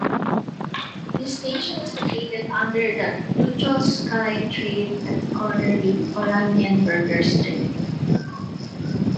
The station is located under the Tucholskystrabe, at the corner with Oranienburger Strabe.